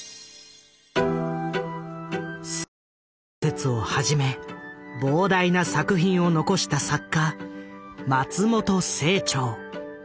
推理小説をはじめ膨大な作品を残した作家松本清張。